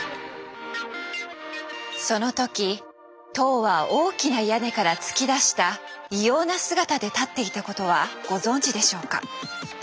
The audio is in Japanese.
その時塔は大きな屋根から突き出した異様な姿で立っていたことはご存じでしょうか。